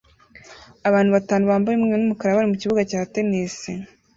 Abantu batanu bambaye umweru n'umukara bari mukibuga cya tennis